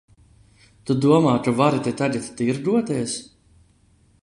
Tu domā, ka vari te tagad tirgoties?